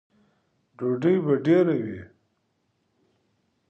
_ډوډۍ به ډېره وي؟